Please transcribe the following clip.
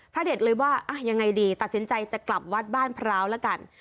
เด็ดเลยว่ายังไงดีตัดสินใจจะกลับวัดบ้านพร้าวแล้วกัน